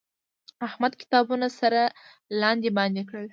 احمد کتابونه سره لاندې باندې کړل.